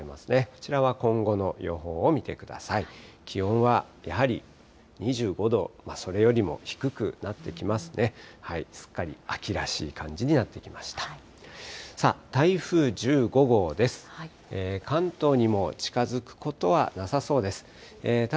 すっかり秋らしい感じになってきました。